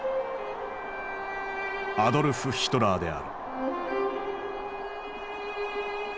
アドルフ・ヒトラーである。